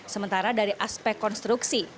sementara dari aspek konstruksi